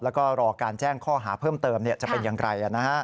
แล้วก็รอการแจ้งข้อหาเพิ่มเติมจะเป็นอย่างไร